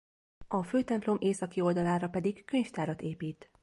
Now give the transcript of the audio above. A főtemplom északi oldalára pedig könyvtárat épít.